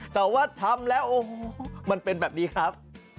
แต่ว่าทำแล้วโอ้โหมันเป็นแบบนี้ครับ